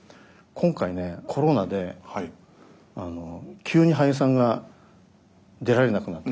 今回ねコロナで急に俳優さんが出られなくなる。